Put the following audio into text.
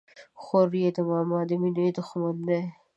خوريي د ماما د ميني د ښمن دى.